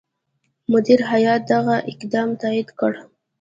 مدیره هیات دغه اقدام تایید کړ.